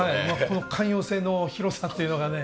この「寛容」性の広さというのがね。